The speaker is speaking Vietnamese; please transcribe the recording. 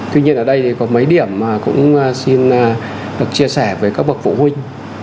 tuy nhiên ở đây thì có mấy điểm mà cũng xin được chia sẻ với các bậc phụ huynh